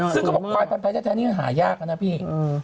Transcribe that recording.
ซึ่งเขาบอกว่าควายพันธุ์ไทยแท้นี่ก็หายากแล้วนะพี่